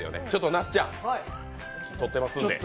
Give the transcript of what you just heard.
那須ちゃん、撮ってますんで。